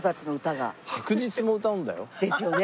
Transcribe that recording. ですよね。